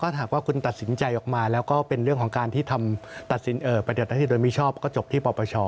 หากว่าคุณตัดสินใจออกมาแล้วก็เป็นเรื่องของการที่ปฏิบัติหน้าที่โดยมิชอบก็จบที่ปปช